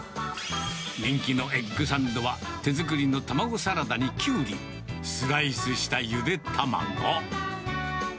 人気のエッグサンドは、手作りの卵サラダにキュウリ、スライスしたゆで卵。